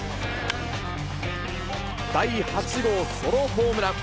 第８号ソロホームラン。